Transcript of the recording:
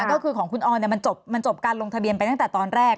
ก็คือของคุณออนมันจบการลงทะเบียนไปตั้งแต่ตอนแรก